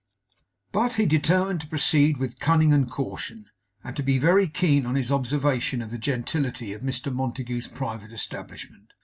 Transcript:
But he determined to proceed with cunning and caution, and to be very keen on his observation of the gentility of Mr Montague's private establishment.